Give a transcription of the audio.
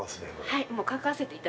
はい